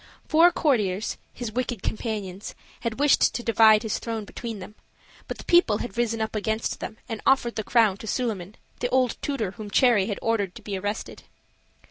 Four courtiers, his wicked companions, had wished to divide his throne between them; but the people had risen up against them and offered the crown to Suliman, the old tutor whom Cherry had ordered to be arrested.